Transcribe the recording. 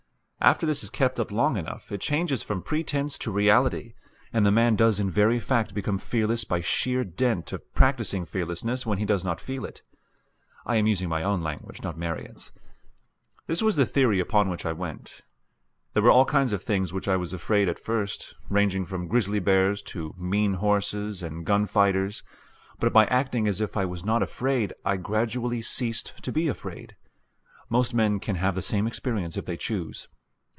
After this is kept up long enough it changes from pretense to reality, and the man does in very fact become fearless by sheer dint of practicing fearlessness when he does not feel it. (I am using my own language, not Marryat's.) This was the theory upon which I went. There were all kinds of things of which I was afraid at first, ranging from grizzly bears to "mean" horses and gun fighters; but by acting as if I was not afraid I gradually ceased to be afraid. Most men can have the same experience if they choose.